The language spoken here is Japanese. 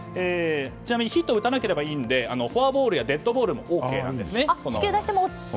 ちなみにヒットを打たれなければいいのでフォアボールやデッドボールもＯＫです。